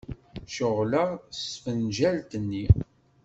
Ceɣleɣ s tfenǧalt-nni.